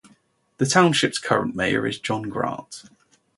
The township's current mayor is John Grant.